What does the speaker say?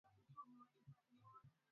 wanaa nipeleka sana kwa jamii